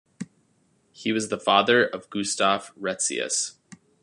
He was the father of Gustaf Retzius.